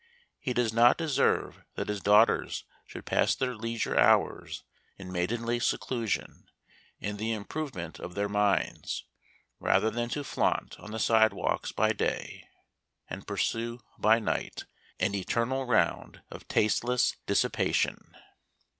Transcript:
He does not deserve that his daughters should pass their leisure hours in maidenly seclusion, and the improvement of their minds, rather than to flaunt on the sidewalks by day, and pursue, by night, an eternal round of taste less dissipation."